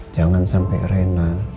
jangan sampai reina